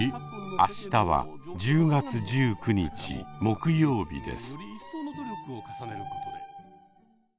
明日は１０月１９日木曜日です。